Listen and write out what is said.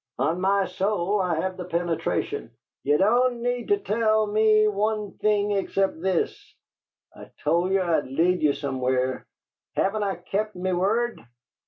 "On my soul I have the penetration! Ye don't need to tell me one thing except this: I told ye I'd lead ye somewhere; haven't I kept me word?"